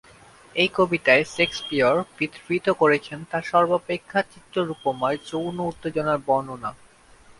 এই কবিতায় শেকসপিয়র বিধৃত করেছেন তার সর্বাপেক্ষা চিত্ররূপময় যৌন উত্তেজনার বর্ণনা।